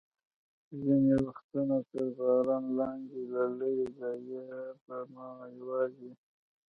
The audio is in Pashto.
ځینې وختونه تر باران لاندې، له لرې ځایه به مو یوازې.